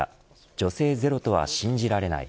女性ゼロとは信じられない。